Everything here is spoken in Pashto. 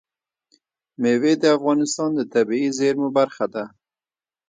مېوې د افغانستان د طبیعي زیرمو برخه ده.